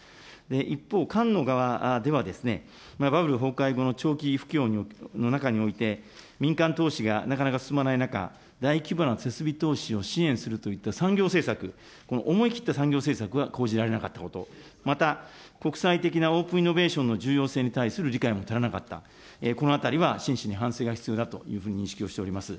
一方、官の側では、バブル崩壊後の長期不況の中において、民間投資がなかなか進まない中、大規模な設備投資を支援するといった産業政策、思い切った産業政策が講じられなかったこと、また、国際的なオープンイノベーションの重要性に対する理解も足らなかった、このあたりは真摯に反省が必要だと認識しております。